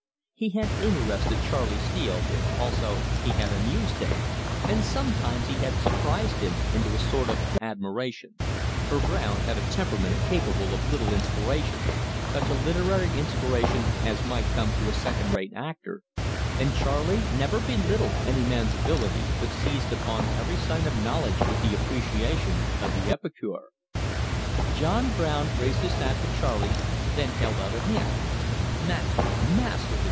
He had interested Charley Steele, also he had amused him, and sometimes he had surprised him into a sort of admiration; for Brown had a temperament capable of little inspirations such a literary inspiration as might come to a second rate actor and Charley never belittled any man's ability, but seized upon every sign of knowledge with the appreciation of the epicure. John Brown raised his hat to Charley, then held out a hand. "Masterly masterly!"